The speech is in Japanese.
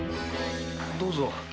どうぞ。